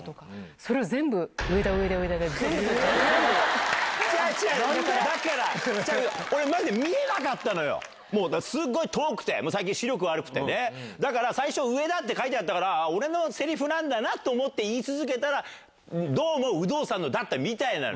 それを全部、上田、違う違う、だから、俺マジで、見えなかったのよ、もうだって、すごい遠くて、最近視力悪くてね、だから、最初、上田って書いてあったから、ああ、俺のせりふなんだなと思って、言い続けたら、どうも有働さんのだったみたいなの。